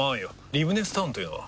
リブネスタウンというのは？